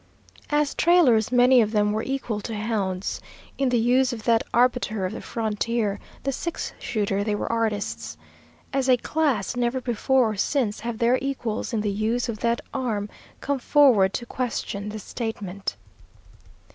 As trailers many of them were equal to hounds. In the use of that arbiter of the frontier, the six shooter, they were artists. As a class, never before or since have their equals in the use of that arm come forward to question this statement.